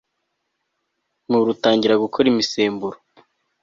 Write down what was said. umubiri utangira gukora imisemburo